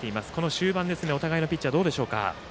終盤ですが互いのピッチャーどうでしょうか？